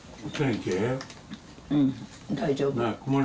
うん、大丈夫。